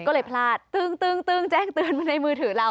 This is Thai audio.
ก็เลยพลาดตึ้งแจ้งเตือนมาในมือถือเรา